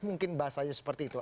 mungkin bahasanya seperti itu